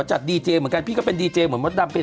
จัดดีเจเหมือนกันพี่ก็เป็นดีเจหมดมบัตรดำเป็น